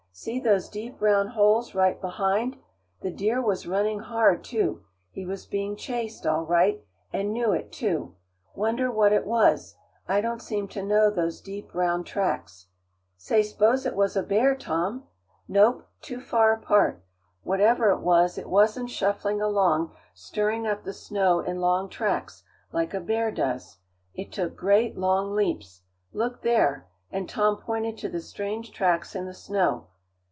See those deep, round holes right behind? The deer was running hard, too; he was being chased, all right, and knew it, too. Wonder what it was. I don't seem to know those deep, round tracks." "Say, s'pose it was a bear, Tom?" "Nope. Too far apart. Whatever it was, it wasn't shuffling along stirring up the snow in long tracks, like a bear does. It took great, long leaps. Look there," and Tom pointed to the strange tracks in the snow.